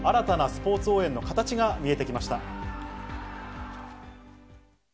新たなスポーツ応援の形が見えてきました。